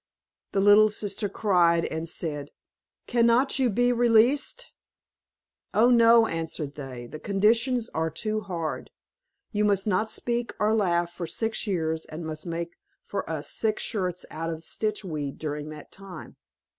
The little sister cried and said, "Cannot you be released?" "Oh, no!" answered they, "the conditions are too hard. You must not speak or laugh for six years, and must make for us six shirts out of stitchweed during that time.